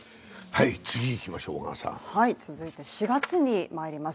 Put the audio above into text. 続いて４月にまいります。